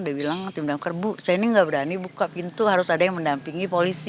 dia bilang tim damkar bu saya ini nggak berani buka pintu harus ada yang mendampingi polisi